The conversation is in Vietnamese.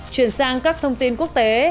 chuyển sang các thông tin quốc tế